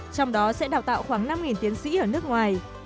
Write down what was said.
trong đó sẽ đào tạo khoảng năm tiến sĩ ở nước ngoài